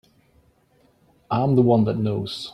I'm the one that knows.